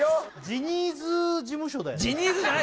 ジニーズ事務所だよね？